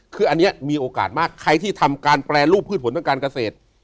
คืออันนี้มีโอกาสมากใครที่ทำการแปรรูปพืชผลทางการเกษตร